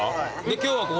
今日はここ？